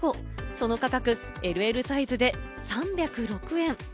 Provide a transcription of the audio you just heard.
その価格ＬＬサイズで３０６円。